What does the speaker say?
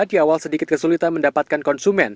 di awal sedikit kesulitan mendapatkan konsumen